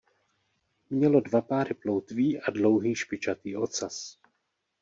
Mělo dva páry ploutví a dlouhý špičatý ocas.